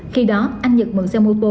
khi đó anh nhật mượn xe mô tô